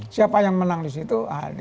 siapa yang menang di situ